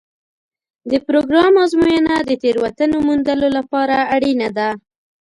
د پروګرام ازموینه د تېروتنو موندلو لپاره اړینه ده.